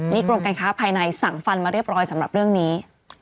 นี่กรมการค้าภายในสั่งฟันมาเรียบร้อยสำหรับเรื่องนี้